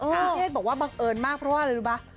พี่เชษบอกว่าบังเอิญมากเพราะว่าอะไรรู้ป่ะ